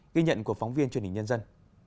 ghi nhận của phóng viên truyền hình nhân dân